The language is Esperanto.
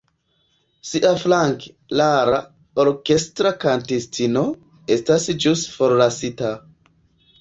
Siaflanke, Lara, orkestra kantistino, estas ĵus forlasita.